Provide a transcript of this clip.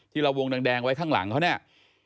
เราวงแดงไว้ข้างหลังเขาเนี่ย